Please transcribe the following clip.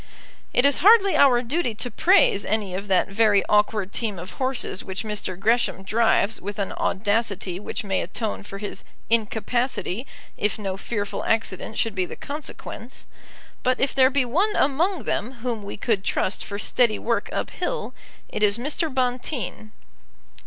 It is hardly our duty to praise any of that very awkward team of horses which Mr. Gresham drives with an audacity which may atone for his incapacity if no fearful accident should be the consequence; but if there be one among them whom we could trust for steady work up hill, it is Mr. Bonteen.